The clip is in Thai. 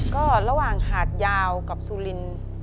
ก็ระหว่างหาดยาวกับสุรินทร์